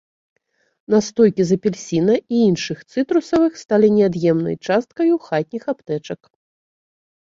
Настойкі з апельсіна і іншых цытрусавых сталі неад'емнай часткаю хатніх аптэчак.